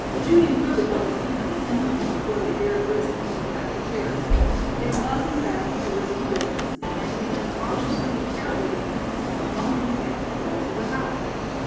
Judy really fell asleep in the interval before they dared risk pulling back the chairs. It was, in fact, a risky business, and had to be done cautiously and carefully to keep them from bumping against the walls of the house.